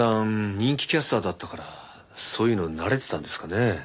人気キャスターだったからそういうの慣れてたんですかね？